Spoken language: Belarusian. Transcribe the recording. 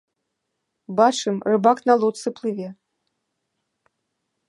Бачым, рыбак на лодцы плыве.